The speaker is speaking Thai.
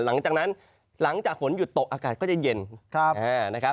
หลังจากนั้นหลังจากฝนหยุดตกอากาศก็จะเย็นนะครับ